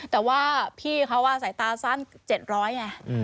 แต่ว่าพี่เขาสายตาสั้น๗๐๐ไง